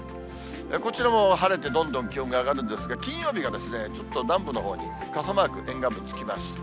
こちらも晴れてどんどん気温が上がるんですが、金曜日がちょっと、南部のほうに傘マーク、沿岸部つきました。